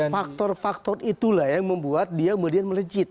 faktor faktor itulah yang membuat dia kemudian melejit